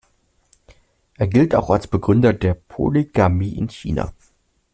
Er gilt auch als Begründer der Polygamie in China.